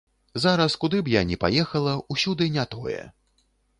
Зараз, куды б я ні паехала, усюды не тое.